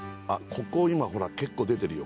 ここ今ほら結構出てるよ